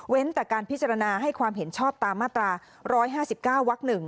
แต่การพิจารณาให้ความเห็นชอบตามมาตรา๑๕๙วัก๑